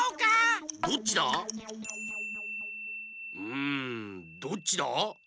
うんどっちだ？